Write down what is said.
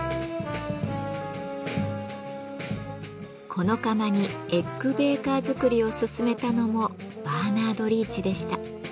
この窯にエッグ・ベーカー作りを勧めたのもバーナード・リーチでした。